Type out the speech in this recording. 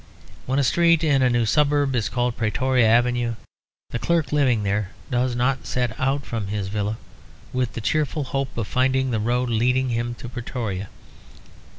When a street in a new suburb is called Pretoria Avenue, the clerk living there does not set out from his villa with the cheerful hope of finding the road lead him to Pretoria.